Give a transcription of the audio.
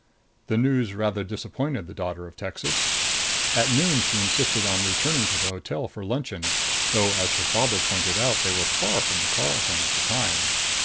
The news rather disappointed the daughter of Texas. At noon she insisted on returning to the hotel for luncheon, though, as her father pointed out, they were far from the Carlton at the time.